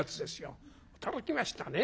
驚きましたね。